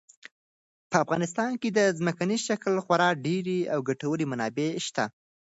په افغانستان کې د ځمکني شکل خورا ډېرې او ګټورې منابع شته.